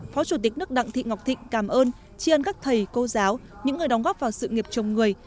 phó chủ tịch nước đặng thị ngọc thịnh cảm ơn tri ân các thầy cô giáo những người đóng góp vào sự nghiệp chồng người